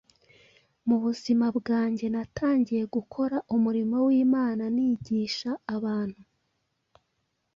Mu buzima bwanjye, natangiye gukora umurimo w’Imana nigisha abantu